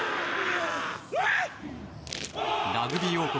ラグビー王国